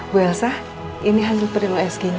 bu elsa ini hasil print usg nya